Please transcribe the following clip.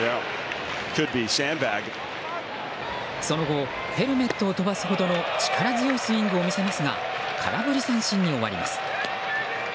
その後ヘルメットを飛ばすほどの力強いスイングを見せますが空振り三振に終わります。